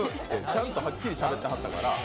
ちゃんとはっきりしゃべってはったから。